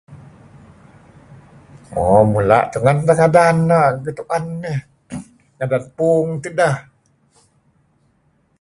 mo mula tungen teh ngadan getu'en eh ngadan puung teh ideh